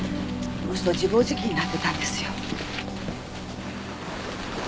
あの人自暴自棄になってたんですよ。